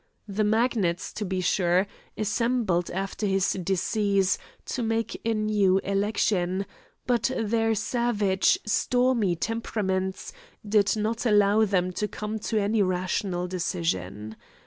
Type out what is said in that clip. The Magnates, to be sure, assembled after his decease, to make a new election, but their savage, stormy temperaments did not allow them to come to any rational decision.